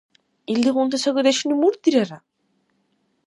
Илдигъунти сагадешуни мурт дирара?